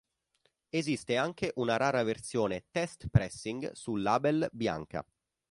Esiste anche una rara versione "test pressing" su label bianca.